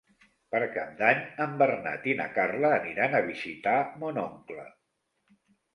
Per Cap d'Any en Bernat i na Carla aniran a visitar mon oncle.